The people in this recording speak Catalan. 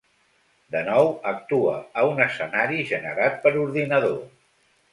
De nou, actua a un escenari generat per ordinador.